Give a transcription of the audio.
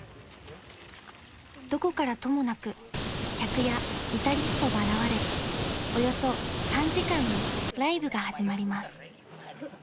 ［どこからともなく客やギタリストが現れおよそ３時間のライブが始まります］